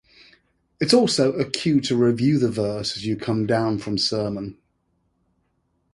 It’s also a cue to review the verse as you come down from sermon.